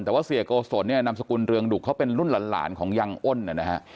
แต่ว่าเสียโกศลเนี่ยนามสกุลเรืองดุกเขาเป็นรุ่นหลานของยังอ้นนะฮะ